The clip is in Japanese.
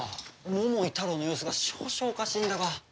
桃井タロウの様子が少々おかしいのだが。